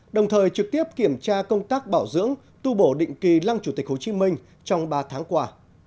đồng thời trực tiếp kiểm tra công tác bảo dưỡng tu bổ định kỳ lăng chủ tịch hồ chí minh trong ba tháng qua